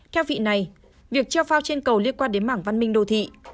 theo vị này việc treo phao trên cầu liên quan đến mảng văn minh đô thị